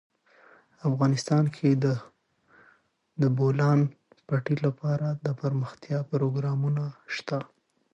افغانستان کې د د بولان پټي لپاره دپرمختیا پروګرامونه شته.